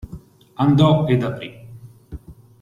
Andò ed aprì.